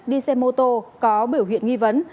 đi xe mô tô có biểu huyện nghi vấn